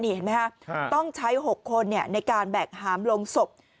เห็นไหมครับต้องใช้๖คนในการแบกหามลงศพ